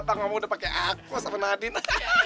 atau ngomong udah pakai aku sama nadine